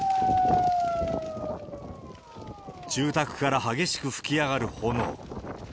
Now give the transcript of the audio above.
住宅から激しく噴き上がる炎。